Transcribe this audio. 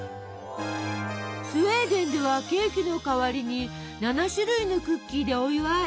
スウェーデンではケーキの代わりに７種類のクッキーでお祝い！